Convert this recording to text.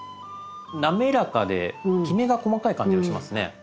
滑らかできめが細かい感じがしますね。